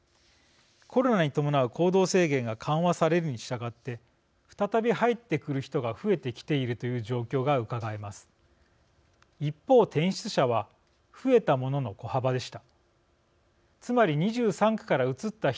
コロナに伴う行動制限が緩和されるにしたがって再び入ってくる人が増えてきているという状況がうかがえます。